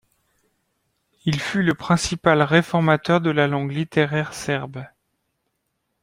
Il fut le principal réformateur de la langue littéraire serbe.